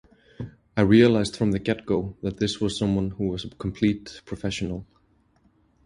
I realized from the get-go that this was someone who was a complete professional.